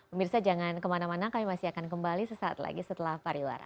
pemirsa jangan kemana mana kami masih akan kembali sesaat lagi setelah pariwara